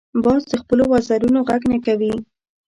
باز د خپلو وزرونو غږ نه کوي